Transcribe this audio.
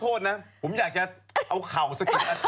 ขอโทษนะผมอยากจะเอาเข่าสักกี่